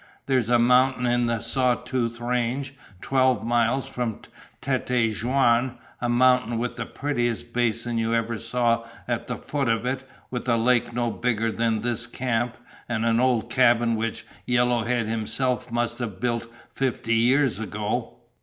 "There's a mountain in the Saw Tooth Range, twelve miles from Tête Jaune a mountain with the prettiest basin you ever saw at the foot of it, with a lake no bigger than this camp, and an old cabin which Yellowhead himself must have built fifty years ago.